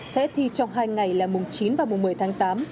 sẽ thi trong hai ngày là mùng chín và mùng một mươi tháng tám